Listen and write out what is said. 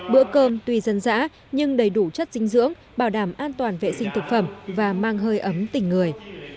bữa cơm tuy dân dã nhưng đầy đủ chất dinh dưỡng bảo đảm an toàn vệ sinh thực phẩm và mang hơi ấm tình người